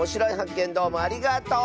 けんどうもありがとう！